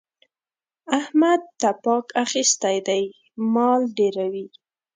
احمد تپاک اخيستی دی؛ مال ډېروي.